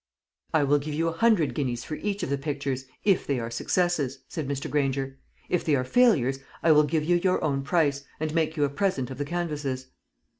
"I will give you a hundred guineas for each of the pictures, if they are successes," said Mr. Granger. "If they are failures, I will give you your own price, and make you a present of the canvasses."